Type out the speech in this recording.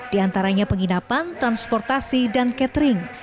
di antaranya penginapan transportasi dan catering